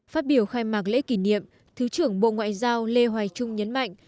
phát biểu khai mạc lễ kỷ niệm thứ trưởng bộ ngoại giao lê hoài trung nhấn mạnh